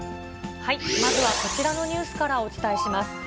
まずはこちらのニュースからお伝えします。